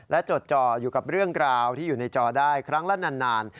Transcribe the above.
และจดจ่ออยู่กับเรื่องราวที่อยู่ในจอได้ครั้งละนาน